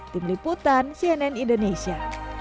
tim liputan cnn indonesia